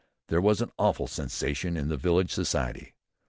There was an awful sensation in the village society.